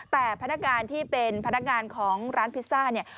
แต่พนักงานที่เป็นพนักงานของร้านพิซซ่าเนี่ย